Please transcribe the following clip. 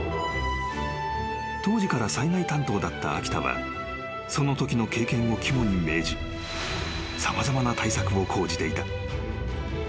［当時から災害担当だった秋田はそのときの経験を肝に銘じ様々な対策を講じていた］